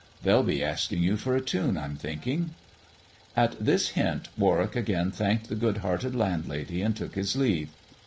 They'll be asking you for a tune, I'm thinking." At this hint Warwick again thanked the good hearted landlady, and took his leave.